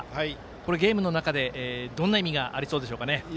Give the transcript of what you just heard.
これゲームの中でどんな意味がありそうですかね。